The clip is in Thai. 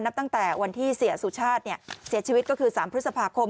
ตั้งแต่วันที่เสียสุชาติเสียชีวิตก็คือ๓พฤษภาคม